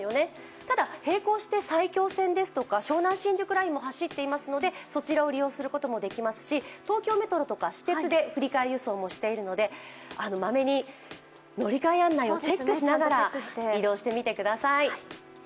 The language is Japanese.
ただ、並行して埼京線ですとか湘南新宿ラインも走っていますのでそちらを利用することもできますし、東京メトロとか私鉄で振り替え輸送もしているので、まめに乗り換え案内をチェックしながら移動してみてください。